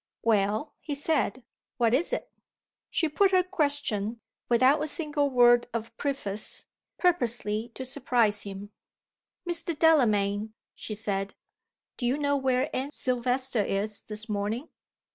"Well," he said, "what is it?" She put her question, without a single word of preface purposely to surprise him. "Mr. Delamayn," she said, "do you know where Anne Silvester is this morning?"